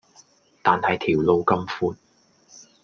但係條路咁闊